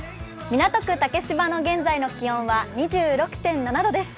港区・竹芝の現在の気温は２６．７度です。